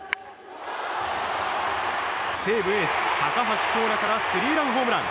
西武エース高橋光成からスリーランホームラン！